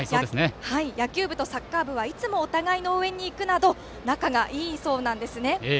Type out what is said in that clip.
野球部とサッカー部はいつもお互いの応援に行くなど仲がいいそうなんですね。